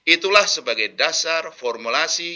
itulah sebagai dasar formulasi